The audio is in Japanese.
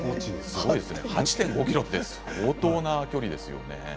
すごいですよね、８．５ｋｍって相当な距離ですよね。